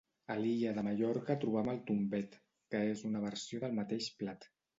A l'illa de Mallorca trobam el tombet que és una versió del mateix plat.